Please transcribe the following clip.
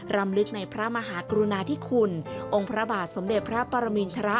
รำลึกในพระมหากรุณาธิคุณองค์พระบาทสมเด็จพระปรมินทร